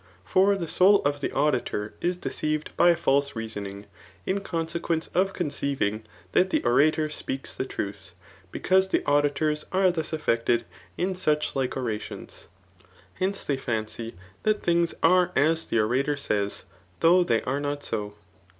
For the soul of the auditor is deceived by false reasoning, in consequence of conceiving that the orator speaks the truth ; because the auditors are thus affected in such like orations. Hence, they fancy that things are as the orator says, though they are not so.